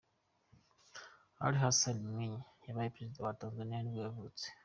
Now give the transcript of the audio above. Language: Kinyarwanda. Ali Hassan Mwinyi, wabaye perezida wa wa Tanzania nibwo yavutse.